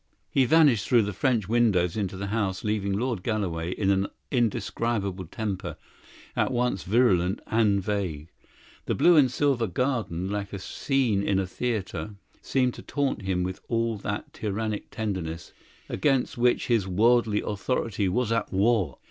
He vanished through the French windows into the house, leaving Lord Galloway in an indescribable temper, at once virulent and vague. The blue and silver garden, like a scene in a theatre, seemed to taunt him with all that tyrannic tenderness against which his worldly authority was at war.